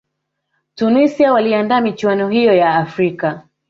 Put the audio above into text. tunisia waliandaa michuano hiyo ya afrika